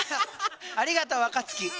ありがとう若槻。